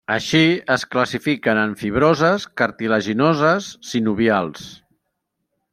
Així es classifiquen en fibroses, cartilaginoses, sinovials.